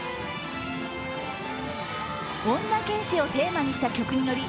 女剣士をテーマにした曲に乗り